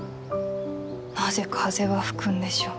なぜ風は吹くんでしょう。